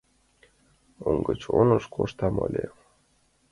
Он гыч оныш коштам ыле.